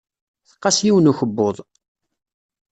Tqas yiwen n ukebbuḍ.